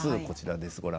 こちらです。